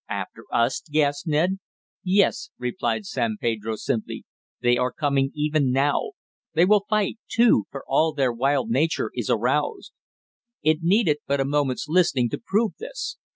"After us!" gasped Ned. "Yes," replied San Pedro simply. "They are coming even now. They will fight too, for all their wild nature is aroused." It needed but a moment's listening to prove this.